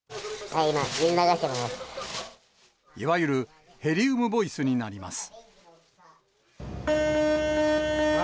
今、いわゆるヘリウムボイスになります。